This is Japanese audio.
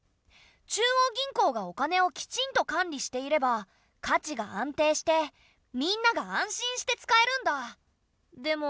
中央銀行がお金をきちんと管理していれば価値が安定してみんなが安心して使えるんだ。